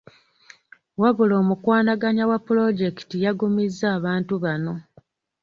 Wabula omukwanaganya wa ppuloojekiti yagumizza abatuuze bano.